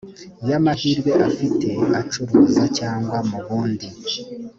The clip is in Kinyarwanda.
y amahirwe afite acuruza cyangwa mu bundi